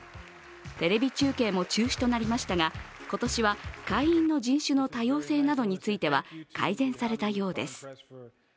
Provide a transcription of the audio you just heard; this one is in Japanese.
テレビ中継も中止となりましたが今年は会員の人種の多様性などについては改善されたようです。